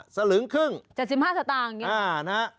สลึงครึ่ง๗๕สตางค์